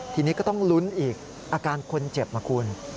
ทีนี้ก็ต้องลุ้นอีกอาการคนเจ็บนะคุณ